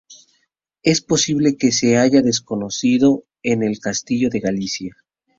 Es posible que se haya escondido en el castillo de Galicia.